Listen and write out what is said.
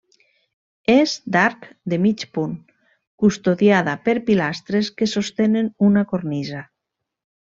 És d'arc de mig punt, custodiada per pilastres que sostenen una cornisa.